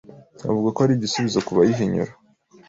buvuga ko ari igisubizo ku bahinyura